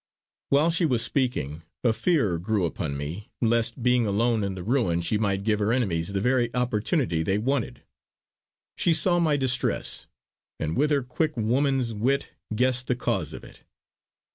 While she was speaking a fear grew upon me lest being alone in the ruin she might give her enemies the very opportunity they wanted. She saw my distress, and with her quick woman's wit guessed the cause of it.